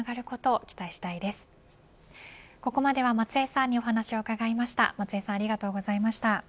ここまでは松江さんにお話を伺いました。